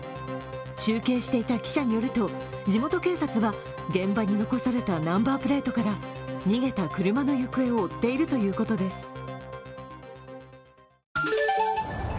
中継していた記者によると地元警察は現場に残されたナンバープレートから逃げた車の行方を追っているということです。